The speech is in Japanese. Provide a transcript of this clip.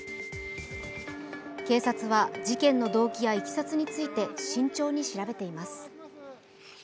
警察は、事件の動機やいきさつについて慎重に調べています。